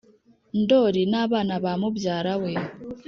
ndoli n’abana bamubyara we